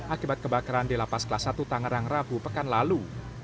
akibat kebakaran di lapas kelas satu tangerang rabu pekan lalu